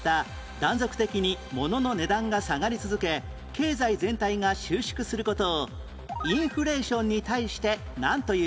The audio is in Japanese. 断続的に物の値段が下がり続け経済全体が収縮する事をインフレーションに対してなんという？